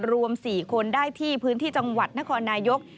รวม๔คนได้ที่พื้นที่จังหวัดนครนายก